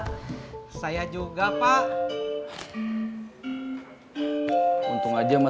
kayak yang parcok